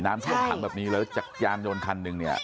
น้ำช่วยทันแบบนี้เลยจากยานโยนคันหนึ่ง